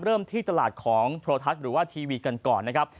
เริ่มที่ตลาดของโทรทัศน์หรือว่าทีวีกันก่อนนะครับ